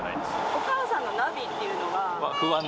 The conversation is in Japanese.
お母さんのナビっていうのは？